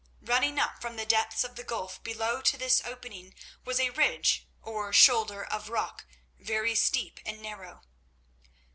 Running up from the depths of the gulf below to this opening was a ridge or shoulder of rock, very steep and narrow.